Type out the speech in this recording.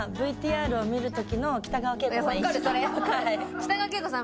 北川景子さん